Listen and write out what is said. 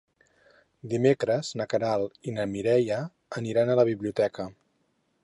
Dimecres na Queralt i na Mireia aniran a la biblioteca.